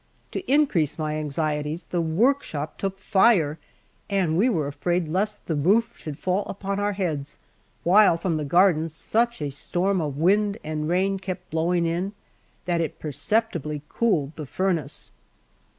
To increase my anxieties, the workshop took fire, and we were afraid lest the roof should fall upon our heads; while, from the garden, such a storm of wind and rain kept blowing in, that it perceptibly cooled the furnace.